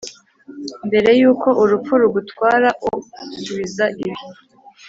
mbere yuko urupfu rugutwara, o subiza ibi.